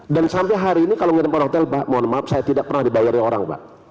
dan sampai hari ini kalau menginap di hotel mohon maaf saya tidak pernah dibayar oleh orang